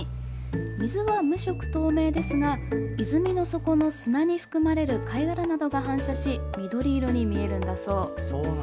水は無色透明ですが泉の底の砂に含まれる貝殻などが反射し緑色に見えるんだそう。